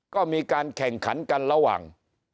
ก็มีการแข่งขันกันระหว่าง